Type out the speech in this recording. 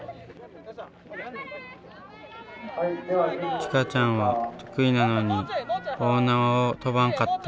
ちかちゃんは得意なのに大縄を跳ばんかった。